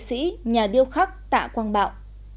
chân dung nghệ sĩ nhà điêu khắc tạ quang bạo